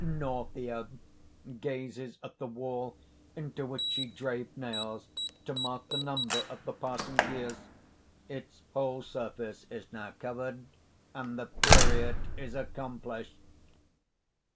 "Nortia gazes at the wall into which she drave nails to mark the number of the passing years. Its whole surface is now covered; and the period is accomplished.